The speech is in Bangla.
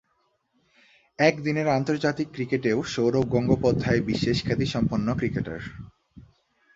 একদিনের আন্তর্জাতিক ক্রিকেটেও সৌরভ গঙ্গোপাধ্যায় বিশেষ খ্যাতিসম্পন্ন ক্রিকেটার।